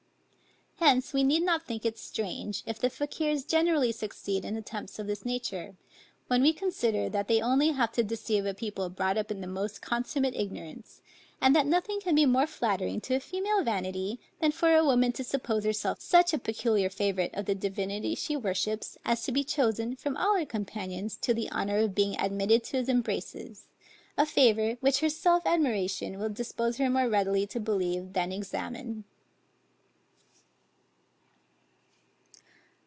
Hence we need not think it strange, if the Fakiers generally succeed in attempts of this nature; when we consider that they only have to deceive a people brought up in the most consummate ignorance; and that nothing can be more flattering to female vanity, than for a woman to suppose herself such a peculiar favorite of the divinity she worships, as to be chosen, from all her companions, to the honor of being admitted to his embraces; a favor, which her self admiration will dispose her more readily to believe than examine.